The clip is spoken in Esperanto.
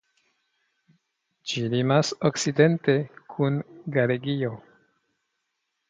Ĝi limas okcidente kun Galegio.